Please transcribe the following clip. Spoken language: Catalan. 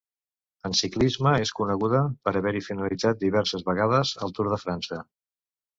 En ciclisme és coneguda per haver-hi finalitzat diverses vegades el Tour de França.